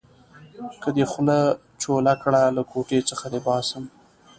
که دې خوله چوله کړه؛ له کوټې څخه دې باسم.